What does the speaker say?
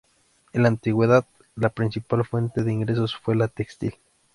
En la antigüedad la principal fuente de ingresos fue la textil.